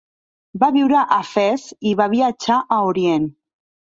Va viure a Fes i va viatjar a Orient.